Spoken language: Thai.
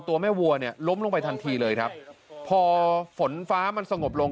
ตัวแม่วัวเนี่ยล้มลงไปทันทีเลยครับพอฝนฟ้ามันสงบลง